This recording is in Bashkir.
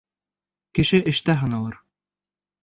Кеше эштә һыналыр.